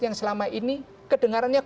yang selama ini kedengarannya